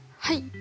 はい。